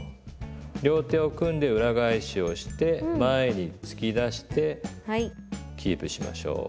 両手を組んで裏返しをして前に突き出してキープしましょう。